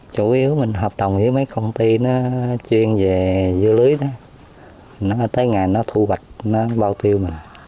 chủ yếu mình hợp đồng với mấy công ty chuyên về dưa lưới tới ngày nó thu hoạch nó bao tiêu mình